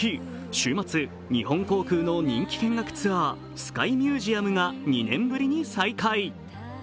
週末、日本航空の人気見学ツアー、スカイミュージアムが２年ぶりに再開。